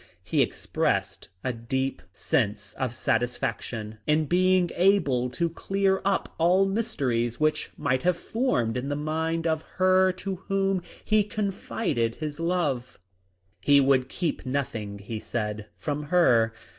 He expressed a sense of deep satisfaction in being able to clear up all mysteries which might have formed in the mind of her to whom he con fided his love. He would keep nothing, he said, from her.